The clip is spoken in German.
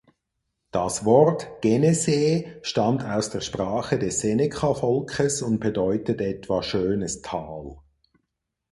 Das Wort Genesee stammt aus der Sprache des Seneca-Volkes und bedeutet etwa "Schönes Tal".